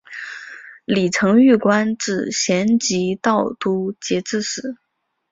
李澄玉官至咸吉道都节制使。